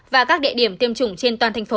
và các địa điểm tiêm chủng trên toàn thành phố